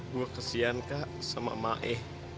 gue kesian kak sama mae